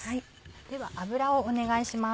では油をお願いします。